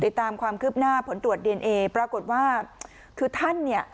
ติดตามความคืบหน้าผลตรวจดีเอนเอปรากฏว่าคือท่านเนี่ย